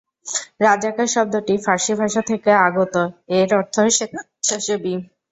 রাজাকার শব্দটি ফার্সি ভাষা থেকে আগত, এর অর্থ স্বেচ্ছাসেবী।